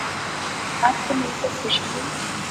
آپ سے مل کر خوشی ہوئی